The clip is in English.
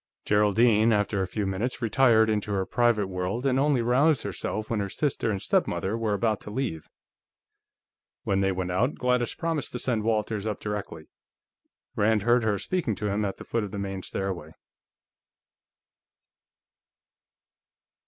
Geraldine, after a few minutes, retired into her private world and only roused herself when her sister and stepmother were about to leave. When they went out, Gladys promised to send Walters up directly; Rand heard her speaking to him at the foot of the main stairway.